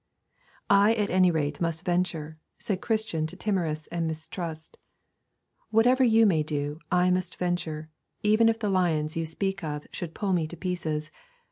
'I at any rate must venture,' said Christian to Timorous and Mistrust. 'Whatever you may do I must venture, even if the lions you speak of should pull me to pieces.